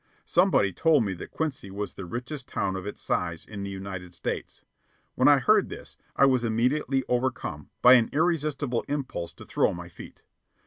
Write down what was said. Somebody told me that Quincy was the richest town of its size in the United States. When I heard this, I was immediately overcome by an irresistible impulse to throw my feet.